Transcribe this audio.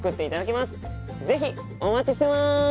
是非お待ちしてます。